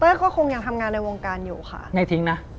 ก็คงยังทำงานในวงการอยู่ค่ะไม่ทิ้งนะ